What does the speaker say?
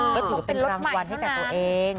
ก็ถือเป็นปลางควันให้กับตัวเอง